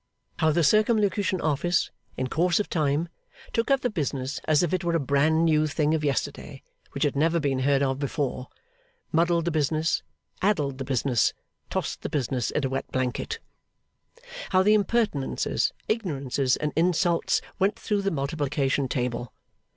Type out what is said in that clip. How the Circumlocution Office, in course of time, took up the business as if it were a bran new thing of yesterday, which had never been heard of before; muddled the business, addled the business, tossed the business in a wet blanket. How the impertinences, ignorances, and insults went through the multiplication table.